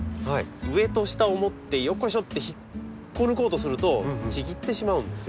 上と下を持ってよっこいしょって引っこ抜こうとするとちぎってしまうんですよ。